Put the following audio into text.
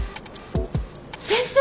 先生？